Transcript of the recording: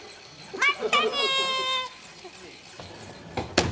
まったね。